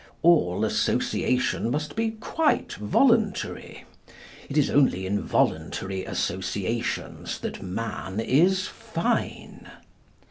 All association must be quite voluntary. It is only in voluntary associations that man is fine.